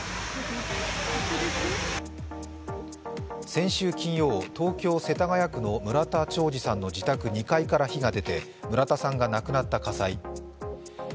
先週金曜、東京・世田谷区の村田兆治さんの自宅２階から火が出て村田さんが亡くなった火災。